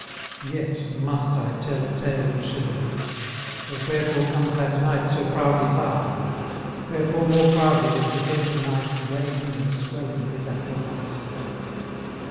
Yet must I tell a tale of chivalry: Or wherefore comes that knight so proudly by? Wherefore more proudly does the gentle knight, Rein in the swelling of his ample might?